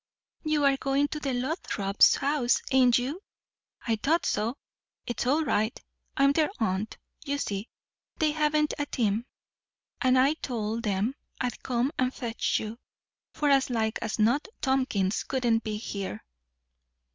"You are going to the Lothrops' house, ain't you? I thought so. It's all right. I'm their aunt. You see, they haven't a team; and I told 'em I'd come and fetch you, for as like as not Tompkins wouldn't be here.